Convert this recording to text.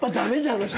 あの人。